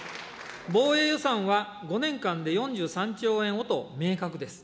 防衛予算は５年間で４３兆円をと明確です。